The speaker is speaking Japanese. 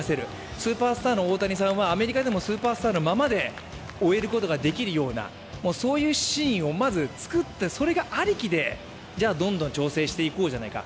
スーパースターの大谷さんはアメリカでもスーパースターのままで終われるようなそういうシーンをまず作って、それがありきでじゃあどんどん調整していこうじゃないか。